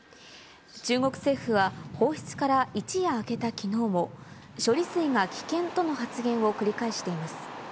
中国政府は、放出から一夜明けたきのうも、処理水が危険との発言を繰り返しています。